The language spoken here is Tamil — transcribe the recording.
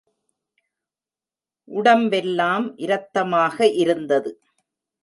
உடம்பெல்லாம் இரத்தமாக இருந்தது.